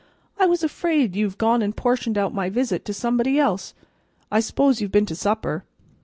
I was afraid you'd gone an' 'portioned out my visit to somebody else. I s'pose you've been to supper?"